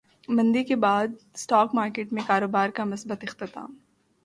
مندی کے بعد اسٹاک مارکیٹ میں کاروبار کا مثبت اختتام